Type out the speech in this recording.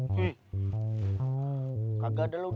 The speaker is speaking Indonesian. lu kan udah perawan